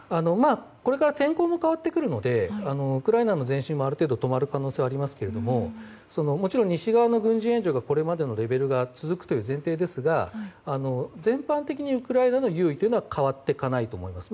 これから天候も変わってくるのでウクライナの前進も、ある程度止まる可能性はありますがもちろん西側の軍事援助がこれまでにレベルが続くという前提ですが全般的にウクライナの優位は変わっていかないと思います。